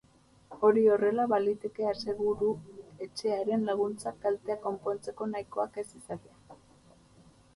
Hori horrela, baliteke aseguru-etxearen laguntzak kalteak konpontzeko nahikoak ez izatea.